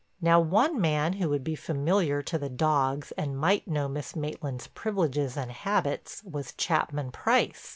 Now one man who would be familiar to the dogs and might know Miss Maitland's privileges and habits, was Chapman Price.